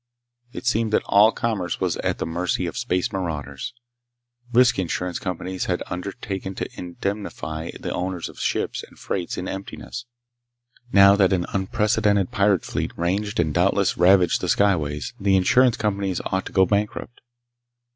It seemed that all commerce was at the mercy of space marauders. Risk insurance companies had undertaken to indemnify the owners of ships and freight in emptiness. Now that an unprecedented pirate fleet ranged and doubtless ravaged the skyways, the insurance companies ought to go bankrupt.